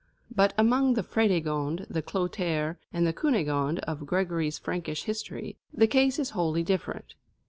But among the Frédégondes, the Clotaires, and the Cunégondes of Gregory's Frankish history, the case is wholly different.